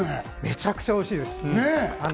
これ、めちゃくちゃおいしいです。